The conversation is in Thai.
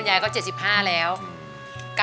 อันดับนี้เป็นแบบนี้